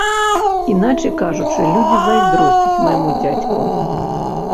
Іначай кажучы, людзі зайздросцяць майму дзядзьку.